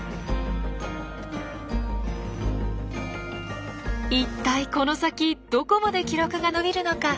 一体この先どこまで記録が伸びるのか楽しみですねえ。